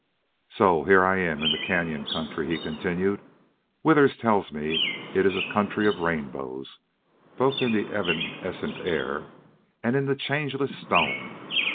"So here I am in the cañon country," he continued. "Withers tells me it is a country of rainbows, both in the evanescent air and in the changeless stone.